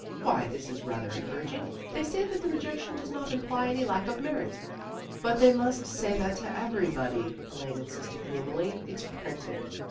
" Why, this is rather encouraging. They say that the rejection does not imply any lack of merit." " But they must say that to everybody," Elaine insisted gloomily. " It's printed."